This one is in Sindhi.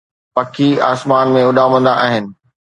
پکي آسمان ۾ اڏامندا آهن